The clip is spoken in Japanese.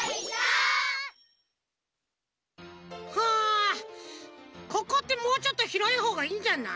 あここってもうちょっとひろいほうがいいんじゃない？